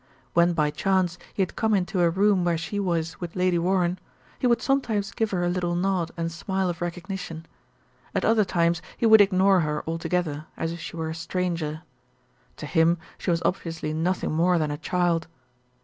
When by chance he had come into a room where she was with Lady Warren, he would sometimes give her a little nod and smile of recognition. At other times he would ignore her altogether, as if she were a stranger. To him she was obviously nothing more than a child.